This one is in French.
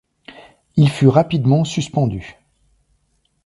Il fut rapidement suspendu.